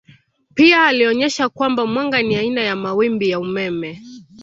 Pia alionyesha kwamba mwanga ni aina ya mawimbi ya umeme.